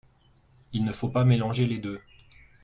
Il ne faut pas mélanger les deux.